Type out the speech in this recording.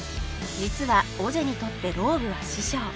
実はオジェにとってローブは師匠